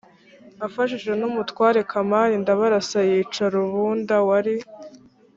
afashijwe n umutware kamari ndabarasa yica rubunda wari